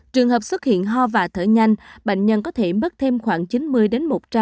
trường hợp xuất hiện ho và thở nhanh bệnh nhân có thể mất thêm khoảng chín mươi một trăm linh ml một ngày